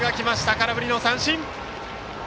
空振り三振！